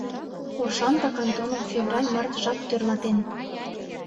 Оршанка кантоным февраль-март жап тӧрлатен.